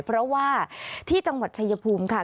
เพราะว่าที่จังหวัดชายภูมิค่ะ